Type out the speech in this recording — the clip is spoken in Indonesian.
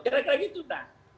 kira kira gitu nah